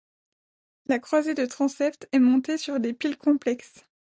La croisée de transept est montée sur des piles complexes.